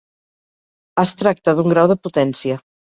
Es tracta d’un grau de potència.